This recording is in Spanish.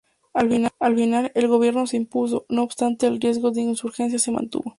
Al final, el gobierno se impuso, no obstante, el riesgo de insurgencia se mantuvo.